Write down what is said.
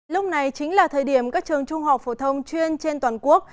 lúc này chính là thời điểm các trường trung học phổ thông chuyên trên toàn quốc